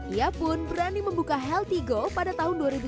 ia pun berani membuka healthy go pada bisnisnya